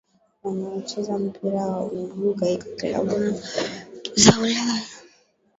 wanaocheza mpira wa miguu kaika klabu za Ulaya